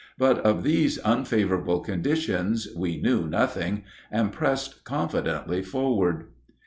But of these unfavorable conditions we knew nothing, and pressed confidently forward.